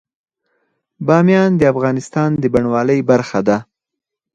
بامیان د افغانستان د بڼوالۍ برخه ده.